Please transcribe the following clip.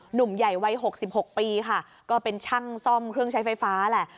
หนุ่มใหญ่วัย๖๖ปีค่ะก็เป็นช่างซ่อมเครื่องใช้ไฟฟ้าแหละ